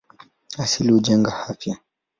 Asali hujenga afya.